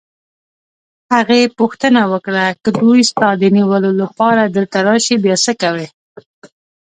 هغې پوښتنه وکړه: که دوی ستا د نیولو لپاره دلته راشي، بیا څه کوې؟